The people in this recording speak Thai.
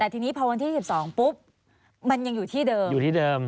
แต่ทีนี้พอวันที่๑๒ปุ๊บมันยังอยู่ที่เดิม